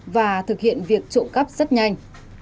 và thực hiện việc trộm cắp rất nhanh